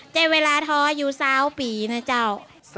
เจ้าเวลาทออยู่๑๐ปีนะเจ้า